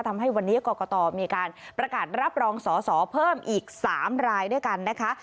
ทำให้วันนี้กรกตมีการประกาศรับรองสอสอเพิ่มอีก๓รายด้วยกันนะคะ